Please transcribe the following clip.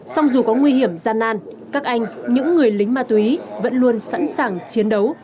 song dù có nguy hiểm gian nan các anh những người lính ma túy vẫn luôn sẵn sàng chiến đấu